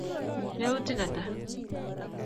Yautik Ata?